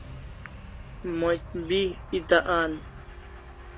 Moch bi eta an